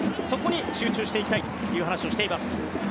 そこに集中していきたいと話しています。